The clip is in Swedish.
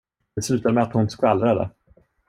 Det slutade med att hon skvallrade.